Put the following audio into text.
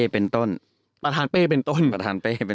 ประทานเป้เป็นต้น